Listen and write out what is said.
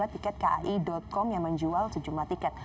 tiket kai com yang menjual sejumlah tiket